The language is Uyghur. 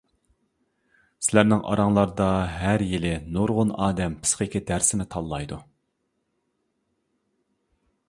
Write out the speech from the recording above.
سىلەرنىڭ ئاراڭلاردا ھەر يىلى نۇرغۇن ئادەم پىسخىكا دەرسىنى تاللايدۇ.